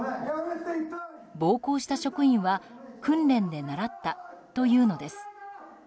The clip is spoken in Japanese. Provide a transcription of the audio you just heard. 暴行した職員は訓練で習ったというのです。